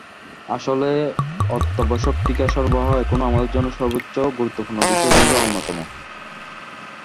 আসলে অত্যাবশ্যক টিকা সরবরাহ এখনো আমাদের জন্য সর্বোচ্চ গুরুত্বপূর্ণ বিষয়গুলোর অন্যতম।